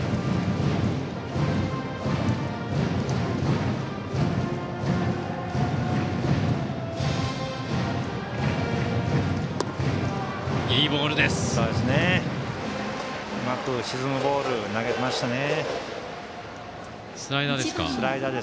沈むボールを投げてましたね。